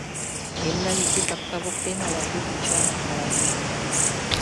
— Мемнам изи капка воктене ала-кӧ вуча, — каласыш Оля.